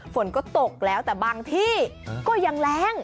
ฝนก็ตกแล้วแต่บางที่ก็ยังแรง